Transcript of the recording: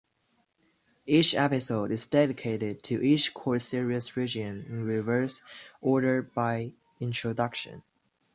Each episode is dedicated to each core series region in reverse order by introduction.